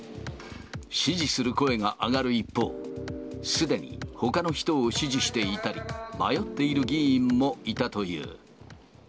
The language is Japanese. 支持する声が上がる一方、すでにほかの人を支持していたり、迷っている議員もいたという。